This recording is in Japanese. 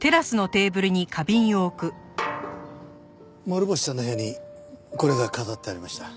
諸星さんの部屋にこれが飾ってありました。